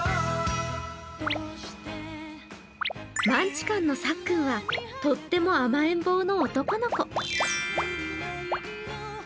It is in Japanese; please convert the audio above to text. マンチカンのさっくんはとっても甘えん坊の男の子。